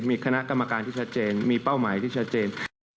มีคณะกรรมการที่ชัดเจนมีเป้าหมายที่ชัดเจน